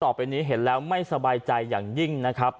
ต่อไปนี้เห็นแล้วไม่สบายใจอย่างยิ่งนะครับ